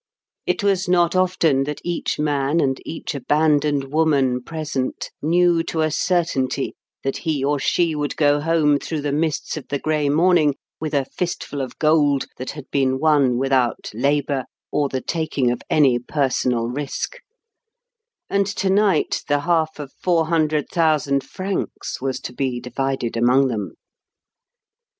It was not often that each man and each abandoned woman present knew to a certainty that he or she would go home through the mists of the grey morning with a fistful of gold that had been won without labour or the taking of any personal risk; and to night the half of four hundred thousand francs was to be divided among them.